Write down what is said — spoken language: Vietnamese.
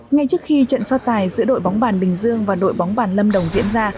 ngay trước khi trận so tài giữa đội bóng bàn bình dương và đội bóng bàn lâm đồng diễn ra